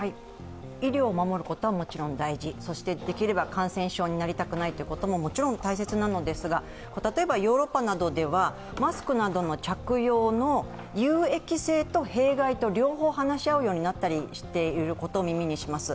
医療を守ることはもちろん大事、そしてできれば感染症になりたくないということももちろん大切なのですが、例えばヨーロッパなどではマスクなどの着用の有益性と弊害と両方話し合っているということを耳にします。